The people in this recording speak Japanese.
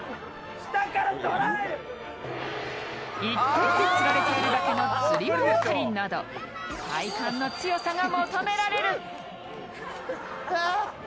１点でつられているだけのつり輪渡りなど、体幹の強さが求められる。